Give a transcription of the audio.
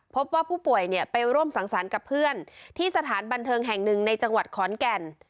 พบว่าผู้ป่วยเนี่ยไปร่วมสังสรรค์กับเพื่อนที่สถานบันเทิงแห่งหนึ่งในจังหวัดขอนแก่น